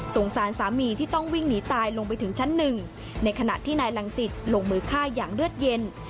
สารสามีที่ต้องวิ่งหนีตายลงไปถึงชั้นหนึ่งในขณะที่นายรังสิตลงมือฆ่าอย่างเลือดเย็น